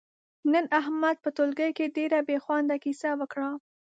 نن احمد په ټولگي کې ډېره بې خونده کیسه وکړه،